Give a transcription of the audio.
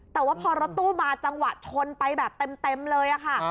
แต่ว่าพอรถตู้มาจังหวะชนไปแบบเต็มเลยค่ะ